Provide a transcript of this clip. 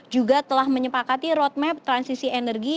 juga telah menyepakati roadmap transisi energi